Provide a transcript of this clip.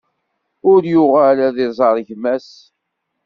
Ur yuɣal ad iẓer gma-s.